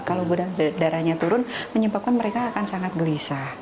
kalau gudang darahnya turun menyebabkan mereka akan sangat gelisah